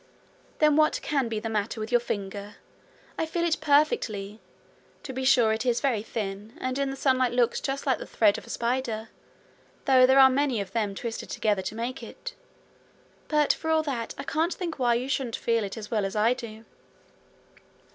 'Then what can be the matter with your finger? I feel it perfectly. To be sure it is very thin, and in the sunlight looks just like the thread of a spider, though there are many of them twisted together to make it but for all that I can't think why you shouldn't feel it as well as I do.'